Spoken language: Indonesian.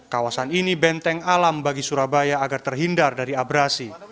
kawasan ini benteng alam bagi surabaya agar terhindar dari abrasi